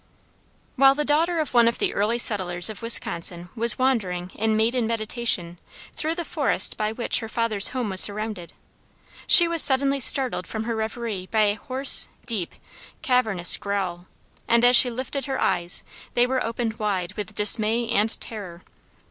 While the daughter of one of the early settlers of Wisconsin was wandering in "maiden meditation," through the forest by which, her father's home was surrounded, she was suddenly startled from her reverie by a hoarse, deep, cavernous growl, and as she lifted her eyes, they were opened wide with dismay and terror.